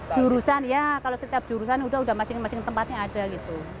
jurusan ya kalau setiap jurusan udah masing masing tempatnya ada gitu